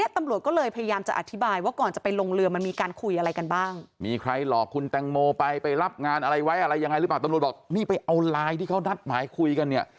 ตำรวจบอกนี่ไปเอาไลน์ที่เขานัดหมายคุยกันเนี่ย